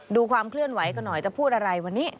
ดูความเคลื่อนไหวกันหน่อยจะพูดอะไรวันนี้